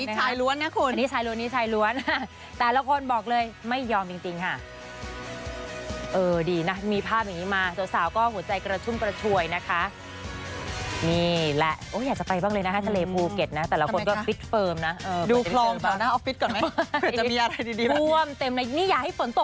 คนมานี่ชายล้วนนะคนมานี่ชายล้วนครับแต่ละคนบอกเลยไม่ยอมจริงฮะเออดีนะมีภาพอย่างนี้มาเถอะสามก็หัวใจกระชุ่มกระชวยนะคะ